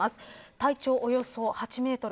体長およそ８メートル。